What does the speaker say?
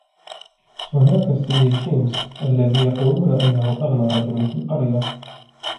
هناك السيد جيمس الذي يقولون أنه أغنى رجل في القرية.